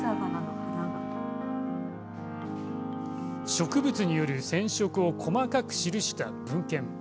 植物による染色を細かく記した文献。